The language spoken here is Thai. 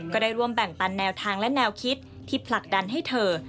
ก็ได้ร่วมแบ่งปันแนวทางและแนวคิดที่ผลักดันให้เธอ